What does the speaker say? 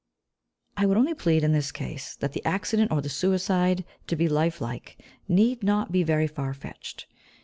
I would only plead, in this case, that the accident or the suicide, to be life like, need not be very far fetched.